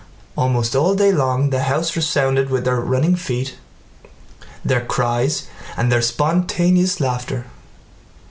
Almost all day long the house resounded with their running feet, their cries, and their spontaneous laughter.